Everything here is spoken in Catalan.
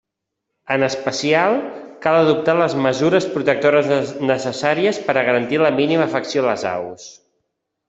En especial, cal adoptar les mesures protectores necessàries per a garantir la mínima afecció a les aus.